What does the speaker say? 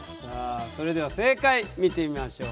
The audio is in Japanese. それでは正解見てみましょう。